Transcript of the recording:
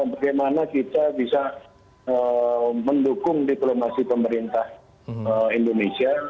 bagaimana kita bisa mendukung diplomasi pemerintah indonesia